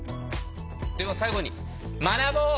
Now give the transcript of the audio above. では最後に学ぼう！